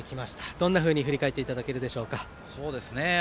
どんなふうに振り返っていただけるでしょうか？